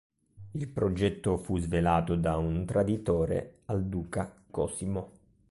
Il progetto fu svelato da un traditore al duca Cosimo.